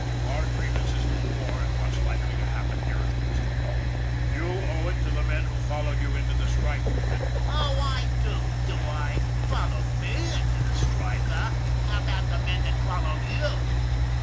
Our grievances don't warrant what's likely to happen here if things go on. You owe it to the men who followed you into the strike, Noonan." " Oh, I do, do I ? Followed me into the strike, eh? How about the men that followed you?"